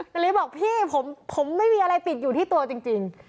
นาริสบอกพี่ผมไม่มีอะไรติดอยู่ที่ตัวจริง